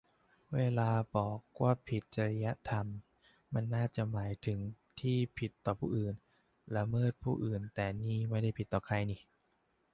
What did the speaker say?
เวลาบอกว่าผิดจริยธรรมนี่ มันน่าจะหมายถึงที่ผิดต่อผู้อื่น ละเมิดผู้อื่น แต่นี่ไม่ได้ผิดต่อใครนิ